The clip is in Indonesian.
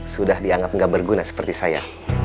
sudah dianggap tidak berguna seperti saya